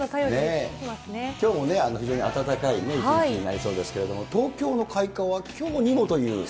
きょうも非常に暖かい一日になりそうですけれども、東京の開花はきょうにもという。